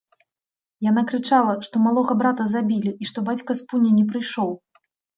Яна крычала, што малога брата забілі і што бацька з пуні не прыйшоў.